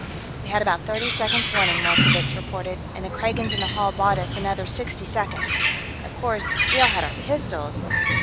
"We had about thirty seconds' warning," Mordkovitz reported, "and the Kragans in the hall bought us another sixty seconds. Of course, we all had our pistols...."